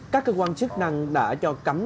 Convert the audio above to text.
các cơ quan chức năng đã cho cấm